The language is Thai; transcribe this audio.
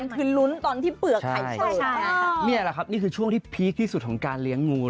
ก็ถึงอาจจะมี๕๗ปีเลย